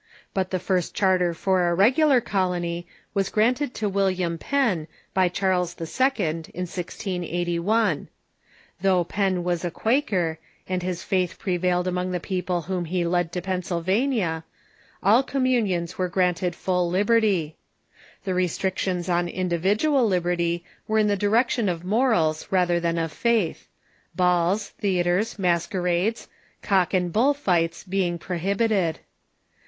But the first charter for a regular colony was granted to William Penn, by Charles H., in 1G81. Tliouo^h Pennsylvania . Penn was a Quaker, and his faith prevailed among the people whom he led to Pennsylvania, all communions were granted full liberty. The restrictions on individual liberty were in the direction of morals rather than of faith — balls, theatres, masquerades, cock and bull fights being prohibited.